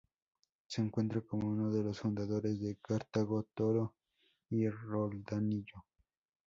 Se cuenta como uno de los fundadores de Cartago, Toro y Roldanillo.